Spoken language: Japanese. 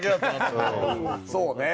そうね。